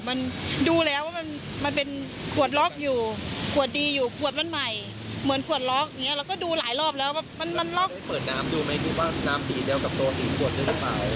มันเลยเปิดน้ำดูไหมดูว่าน้ำดีเดียวกับตัวสีขวดด้วยหรือเปล่า